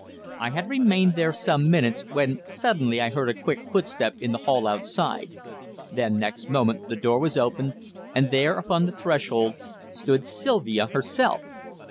I had remained there some few minutes, when suddenly I heard a quick footstep in the hall outside; then, next moment, the door was opened, and there, upon the threshold, stood Sylvia herself.